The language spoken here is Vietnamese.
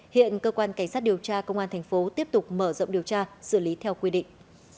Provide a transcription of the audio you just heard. hiện cơ quan cảnh sát điều tra công an thành phố tiếp tục mở rộng điều tra xử lý theo quy định